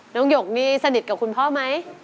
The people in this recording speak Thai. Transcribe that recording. หยกนี่สนิทกับคุณพ่อไหม